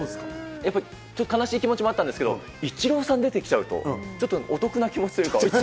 やっぱり悲しい気持ちもあったんですけど、イチローさん出てきちゃうと、ちょっとお得な気持ちというか。